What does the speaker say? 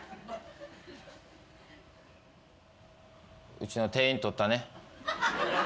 うちの店員取ったね。